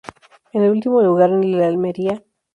En último lugar en la de Almería.